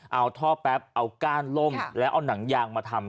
เอาท่อแป๊บเอาก้านล่มแล้วเอาหนังยางมาทำ